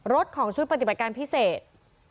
รถของชุดปฏิบัติการพิเศษ